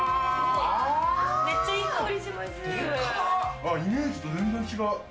あっ、イメージと全然違う。